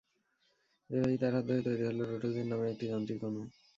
এভাবেই তাঁর হাত ধরে তৈরি হলো রোটাজেন নামের একটি যান্ত্রিক অণু।